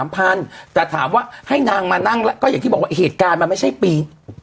แต่ถามว่าให้นางมานั่งแล้วก็อย่างที่บอกว่าเหตุการณ์มันไม่ใช่ปี